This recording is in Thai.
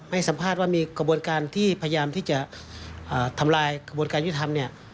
ให้สัมภาษณ์ว่ามีกระบวนการที่พยายามที่จะทำลายกระบวนการยุทธรรมเนี่ย